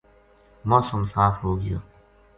موسم صاف ہو گیو